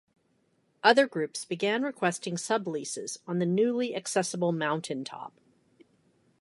Other groups began requesting subleases on the newly accessible mountaintop.